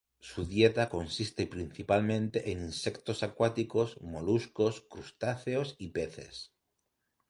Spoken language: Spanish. Su dieta consiste principalmente en insectos acuáticos, moluscos, crustáceos y peces.